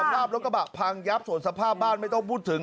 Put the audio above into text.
ภาพรถกระบะพังยับส่วนสภาพบ้านไม่ต้องพูดถึง